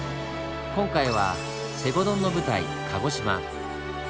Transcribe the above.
今回は「西郷どん」の舞台鹿児島。